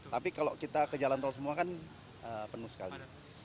tapi kalau kita ke jalan tol semua kan penuh sekali